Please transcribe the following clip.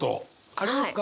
ありますか？